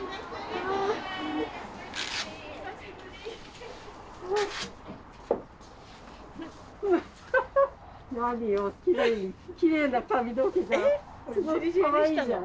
すごくかわいいじゃん。